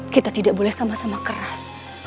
kita tidak boleh sama sama keras